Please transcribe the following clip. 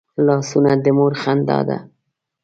لاسونه د مور خندا ده